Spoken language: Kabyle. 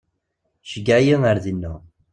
Ceyyeɛ-iyi ar dina.